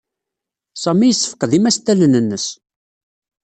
Sami yessefqed imastalen-nnes.